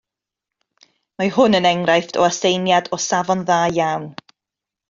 Mae hwn yn enghraifft o aseiniad o safon dda iawn